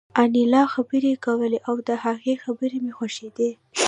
انیلا خبرې کولې او د هغې خبرې مې خوښېدې